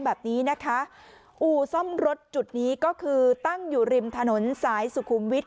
แบบนี้นะคะอู่ซ่อมรถจุดนี้ก็คือตั้งอยู่ริมถนนสายสุขุมวิทย